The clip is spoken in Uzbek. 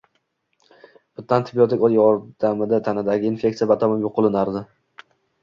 bitta antibiotik yordamida tanadagi infeksiya batamom yo‘q qilinar edi.